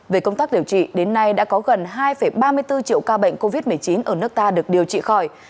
về công tác điều trị đến nay đã có gần hai ba mươi bốn triệu ca bệnh covid một mươi chín ở nước ta được điều trị khỏi